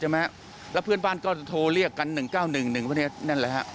แล้วเพื่อนบ้านก็โทรเรียกกัน๑๙๑๑พวกนี้นั่นแหละฮะ